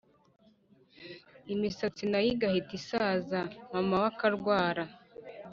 Imisatsi nayo igahita isaza mamawe akarwara